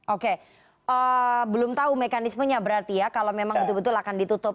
oke belum tahu mekanismenya berarti ya kalau memang betul betul akan ditutup